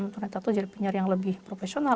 ternetra itu jadi penyiar yang lebih profesional